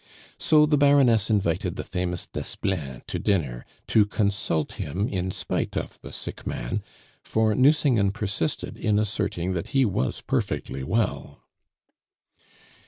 So the Baroness invited the famous Desplein to dinner, to consult him in spite of the sick man, for Nucingen persisted in asserting that he was perfectly well.